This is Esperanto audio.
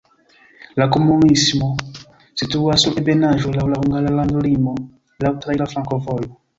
La komunumo situas sur ebenaĵo, laŭ la hungara landolimo, laŭ traira flankovojo.